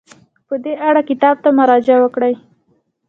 په دې اړه کتاب ته مراجعه وکړئ.